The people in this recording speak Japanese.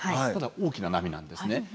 ただ大きな波なんですね。